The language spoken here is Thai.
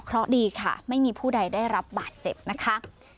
เพราะดีค่ะไม่มีผู้ใดได้รับบาดเจ็บนะคะ